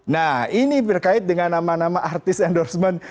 nah ini berkait dengan nama nama artis endorsement